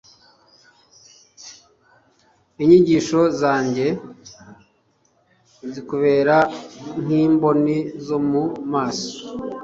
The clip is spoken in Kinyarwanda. inyigisho zanjye zikubere nk'imboni zo mu maso